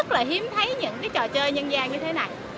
mình thấy những trò chơi dân gian như thế này